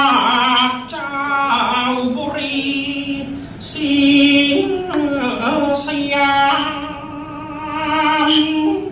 รักเจ้าบุรีสิงห์สยาม